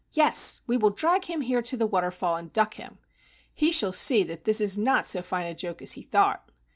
Yes, we will drag him here to the waterfall and duck him. He shall see that this is not so fine a joke as he thought.